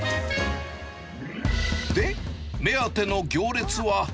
で、目当ての行列は。